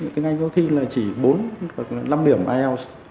tiếng anh có khi là chỉ bốn hoặc năm điểm ielts